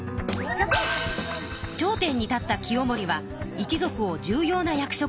頂点に立った清盛は一族を重要な役職につけました。